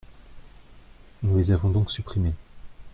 Nous les avons donc supprimés.